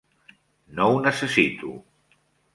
No ho necessito.